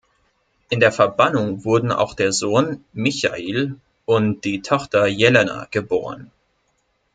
In der Verbannung wurden auch der Sohn Michail und die Tochter Jelena geboren.